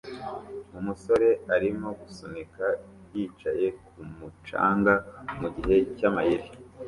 Umusore arimo gusunika yicaye kumu canga mugihe cyamayeri